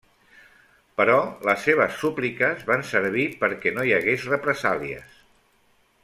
Però les seves súpliques van servir perquè no hi hagués represàlies.